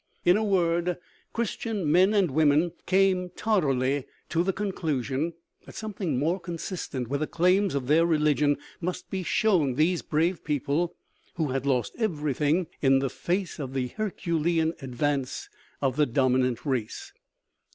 In a word, Christian men and women came tardily to the conclusion that something more consistent with the claims of their religion must be shown these brave people who had lost everything in the face of the herculean advance of the dominant race.